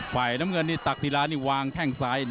ฝ่ายน้ำเงินนี่ตักศิลานี่วางแข้งซ้าย